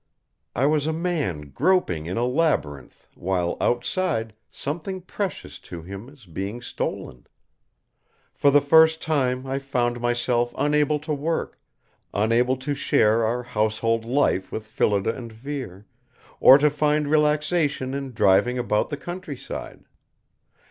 I was a man groping in a labyrinth while outside something precious to him is being stolen. For the first time I found myself unable to work, unable to share our household life with Phillida and Vere, or to find relaxation in driving about the countryside.